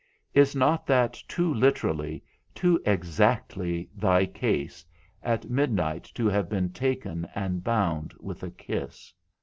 Is not that too literally, too exactly thy case, at midnight to have been taken and bound with a kiss?